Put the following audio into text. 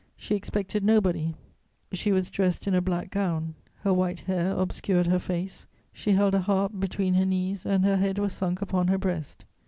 She expected nobody; she was dressed in a black gown; her white hair obscured her face; she held a harp between her knees, and her head was sunk upon her breast.